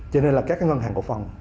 cho nên là các ngân hàng của phần